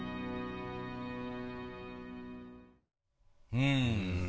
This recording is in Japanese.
うん。